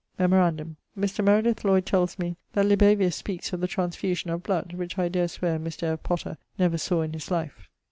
[LXI.] Memorandum: Mr. Meredith Lloyd tells me that Libavius speakes of the transfusion of bloud, which I dare sweare Mr. F. Potter never sawe in his life.